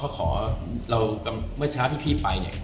เมื่อกำลับที่พี่ไปเนี่ย